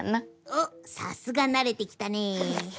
おっさすがなれてきたね！